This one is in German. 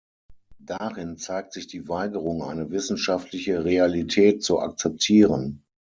Darin zeigt sich die Weigerung, eine wissenschaftliche Realität zu akzeptieren.